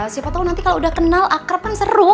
siapa tau nanti kalau udah kenal akrab kan seru